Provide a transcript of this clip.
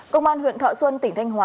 công an huyện thọ xuân tỉnh thanh hòa